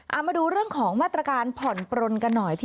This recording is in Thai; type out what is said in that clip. เอามาดูเรื่องของมาตรการผ่อนปลนกันหน่อย